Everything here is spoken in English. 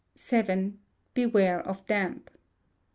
vii. Beware of damp.